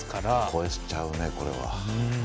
超えちゃうね、これは。